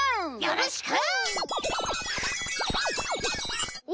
よろしく！